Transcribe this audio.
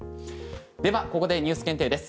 では、ここでＮＥＷＳ検定です。